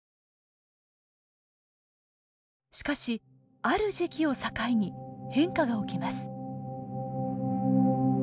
しかしある時期を境に変化が起きます。